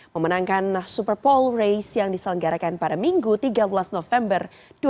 memenangkan super pole race yang diselenggarakan pada minggu tiga belas november dua ribu dua puluh